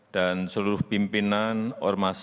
dan seluruh pimpinan ormas islam